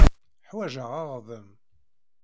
Ḥwajeɣ aɣḍem.